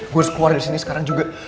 gue harus keluar di sini sekarang juga